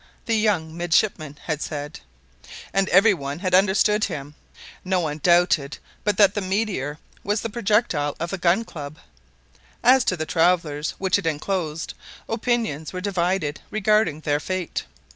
the young midshipman had said, and every one had understood him. No one doubted but that the meteor was the projectile of the Gun Club. As to the travelers which it enclosed, opinions were divided regarding their fate.